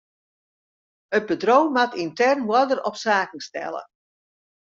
It bedriuw moat yntern oarder op saken stelle.